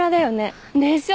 でしょ？